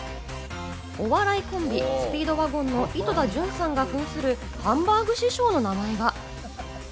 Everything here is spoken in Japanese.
お笑いコンビ・スピードワゴンの井戸田潤さんが扮するハンバーグ師匠の名前が。